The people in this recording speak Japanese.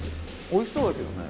おいしそうだけどね。